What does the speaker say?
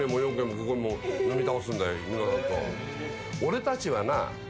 俺たちはな。